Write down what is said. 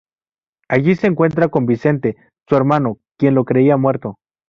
Allí se encuentra con Vicente, su hermano, quien lo creía muerto.